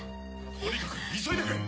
とにかく急いでくれ！